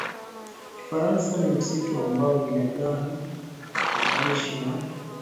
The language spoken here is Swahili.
Kifaransa Ni msitu ambao binadamu wanaishi na